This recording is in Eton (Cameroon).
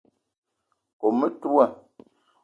Kome metoua